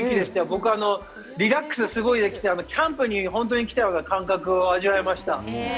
僕リラックスすごいできてキャンプに本当に来たような感覚を味わえました。